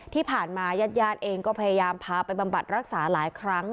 ที่ผ่านมาญาติญาติเองก็พยายามพาไปบำบัดรักษาหลายครั้ง